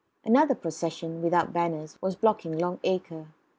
Another procession, without banners, was blocking Long Acre.